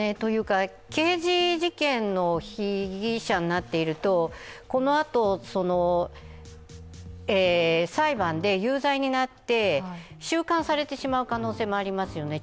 刑事事件の被疑者になっていると、このあと裁判で有罪になって、収監されてしまう可能性もありますよね。